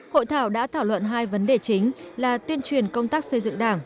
hội thảo đã thảo luận hai vấn đề chính là tuyên truyền công tác xây dựng đảng